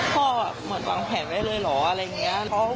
เหมือนวางแผนไว้เลยเหรออะไรอย่างนี้